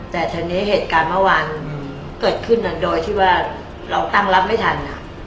แต่ทีนี้เหตุการณ์เมื่อวานเกิดขึ้นโดยที่ว่าเราตั้งรับไม่ทัน